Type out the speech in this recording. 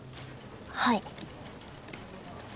はい。